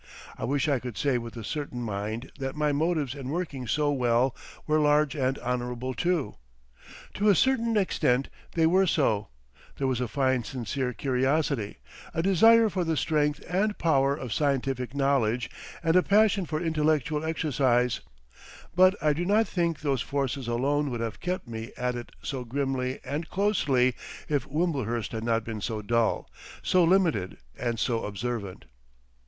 I wish I could say with a certain mind that my motives in working so well were large and honourable too. To a certain extent they were so; there was a fine sincere curiosity, a desire for the strength and power of scientific knowledge and a passion for intellectual exercise; but I do not think those forces alone would have kept me at it so grimly and closely if Wimblehurst had not been so dull, so limited and so observant.